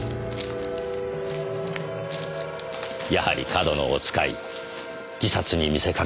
やはり上遠野を使い自殺に見せかけて殺害。